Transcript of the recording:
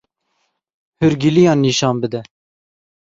Hûrgiliyan nîşan bide.